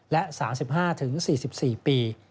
และ๓๕๔๔ปี